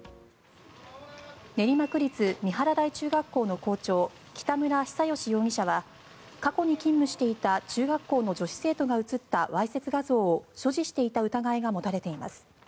練馬区立三原台中学校の校長北村比左嘉容疑者は過去に勤務していた中学校の女子生徒が映ったわいせつ画像を所持していた疑いが持たれています。